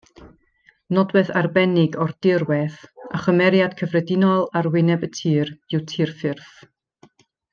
Nodwedd arbennig o'r dirwedd a chymeriad cyffredinol arwyneb y tir yw tirffurf.